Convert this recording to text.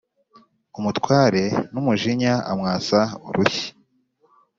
umutware numujinya amwasa urushyi